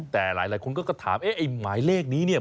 แต่หลายคนก็ถามเอ๊ะไอ้หมายเลขนี้เนี่ย